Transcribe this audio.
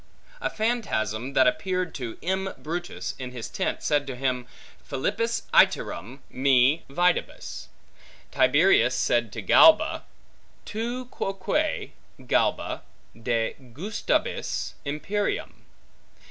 A phantasm that appeared to M. Brutus, in his tent, said to him, Philippis iterum me videbis. Tiberius said to Galba, Tu quoque, Galba, degustabis imperium.